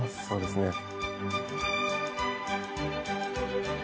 そうですね。